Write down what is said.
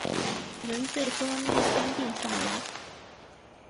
人最多那天直接定下来